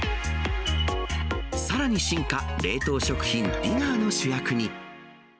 さらに進化、冷凍食品、ディナーの主役に。